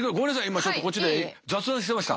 今ちょっとこっちで雑談してました。